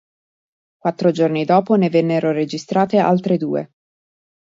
Quattro giorni dopo, ne vennero registrate altre due.